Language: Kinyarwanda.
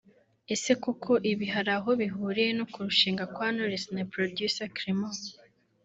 Ese koko ibi hari aho bihuriye no kurushinga kwa Knowless na producer Clement